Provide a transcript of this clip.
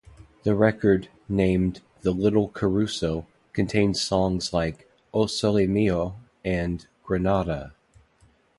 The record, named The "Little Caruso", contained songs like "O Sole Mio" and "Granada".